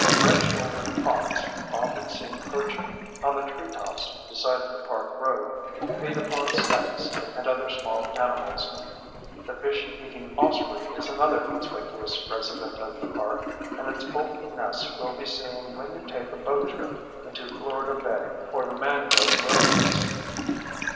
Red shouldered hawks, often seen perching on the treetops beside the park road, feed upon snakes and other small animals. The fish eating osprey is another conspicuous resident of the park, and its bulky nests will be seen when you take a boat trip into Florida Bay or the mangrove wilderness.